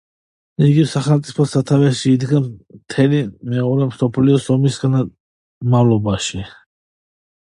იგი სახელმწიფოს სათავეში იდგა მთელი მეორე მსოფლიო ომის განმავლობაში.